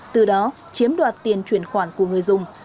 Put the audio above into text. từ đó chiếm đoạt tiền truyền khoản của người dùng